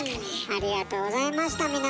ありがとうございました皆さん。